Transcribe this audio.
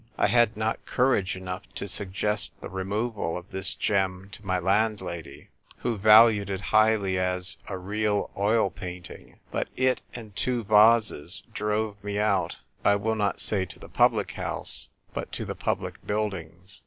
I had not courage enough to suggest the removal oi this gem to my landlady, who valued it highly as "a real oil painting"; but it, and two vases, drove me out, I will not say to the public house, but to the public buildings.